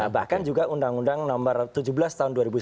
bahkan juga undang undang nomor tujuh belas tahun dua ribu sembilan